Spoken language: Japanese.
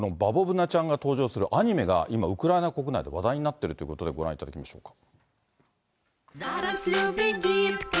このバボブナちゃんが登場するアニメが今、ウクライナ国内で話題になっているということで、ご覧いただきましょうか。